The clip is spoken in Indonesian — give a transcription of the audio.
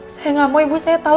saya gak mau ibu saya tau